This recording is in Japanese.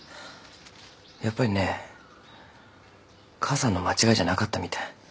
やっぱりね母さんの間違いじゃなかったみたい。